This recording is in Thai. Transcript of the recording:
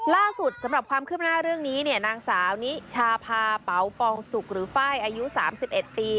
สำหรับความคืบหน้าเรื่องนี้เนี่ยนางสาวนิชาพาเป๋าปองสุกหรือไฟล์อายุ๓๑ปี